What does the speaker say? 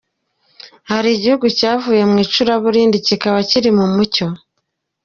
Hari igihugu cyavuye mu icuraburindi kikaba kiri mu mucyo.